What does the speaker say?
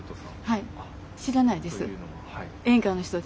はい。